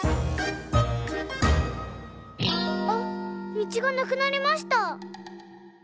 道がなくなりました。